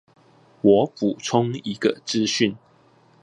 我補充一個資訊